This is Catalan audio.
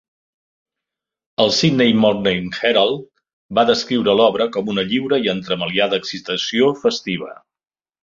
El Sydney Morning Herald va descriure l'obra com una "lliure i entremaliada excitació festiva".